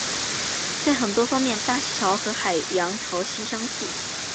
在很多方面大气潮和海洋潮汐类似。